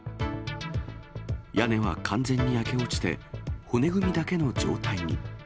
屋根は完全に焼け落ちて、骨組みだけの状態に。